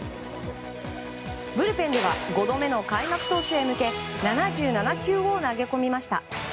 ブルペンでは５度目の開幕投手へ向け７７球を投げ込みました。